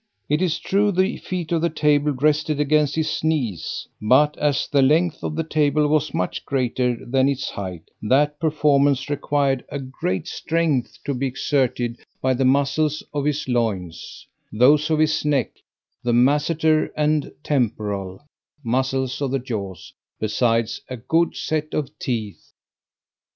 IT IS TRUE THE FEET OF THE TABLE RESTED AGAINST HIS KNEES; BUT AS THE LENGTH OF THE TABLE WAS MUCH GREATER THAN ITS HEIGHT, THAT PERFORMANCE REQUIRED A GREAT STRENGTH TO BE EXERTED BY THE MUSCLES OF HIS LOINS, THOSE OF HIS NECK, THE MASSETER AND TEMPORAL (MUSCLES OF THE JAWS) BESIDES A GOOD SET OF TEETH.